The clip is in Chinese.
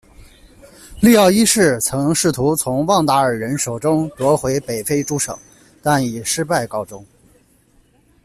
利奥一世曾试图从汪达尔人手中夺回北非诸省，但以失败告终。